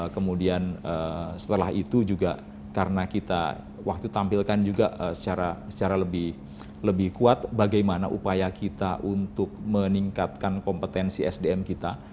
kemudian setelah itu juga karena kita waktu tampilkan juga secara lebih kuat bagaimana upaya kita untuk meningkatkan kompetensi sdm kita